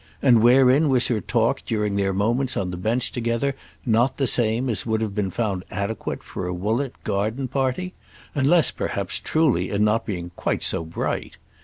And wherein was her talk during their moments on the bench together not the same as would have been found adequate for a Woollett garden party?—unless perhaps truly in not being quite so bright.